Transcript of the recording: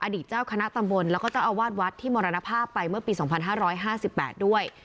เจ้าคณะตำบลแล้วก็เจ้าอาวาสวัดที่มรณภาพไปเมื่อปี๒๕๕๘ด้วย